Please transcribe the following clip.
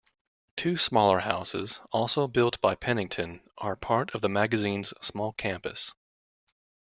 Two smaller houses also built by Pennington are part of the magazine's small campus.